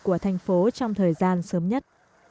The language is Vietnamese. của thành phố trong thời gian sớm nhất